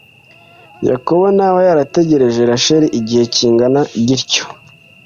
yakobo ntaba yarategereje rasheli igihe kingana gityo